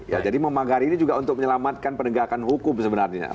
ya jadi memagari ini juga untuk menyelamatkan penegakan hukum sebenarnya